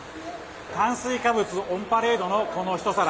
炭水化物オンパレードのこの一皿。